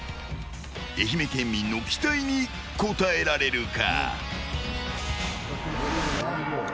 愛媛県民の期待に応えられるか。